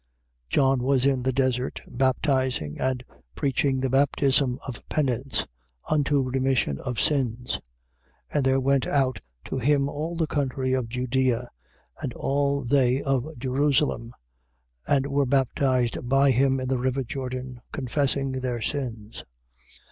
1:4. John was in the desert, baptizing and preaching the baptism of penance, unto remission of sins. 1:5. And there went out to him all the country of Judea and all they of Jerusalem and were baptized by him in the river of Jordan, confessing their sins.